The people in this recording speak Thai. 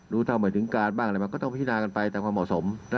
รู้เท่าเหมือนถึงการบ้างมันก็ต้องพิจารณากันไปแต่ความเหมาะสมนะ